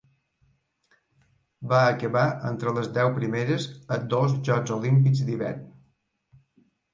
Va acabar entre les deu primeres a dos Jocs Olímpics d'Hivern.